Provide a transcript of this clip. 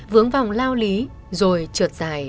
vướng vòng lao lý rồi trượt dài